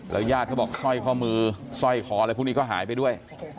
ญาติเขาบอกสร้อยข้อมือสร้อยคออะไรพวกนี้ก็หายไปด้วย